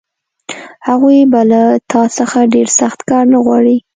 هغوی به له تا څخه ډېر سخت کار نه غواړي